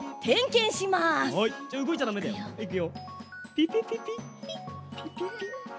ピピピピピピピピッ！